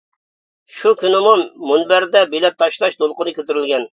شۇ كۈنىمۇ مۇنبەردە بېلەت تاشلاش دولقۇنى كۆتۈرۈلگەن.